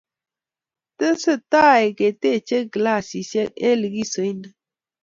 tesetai ketechei klassisie eng likisoit ni.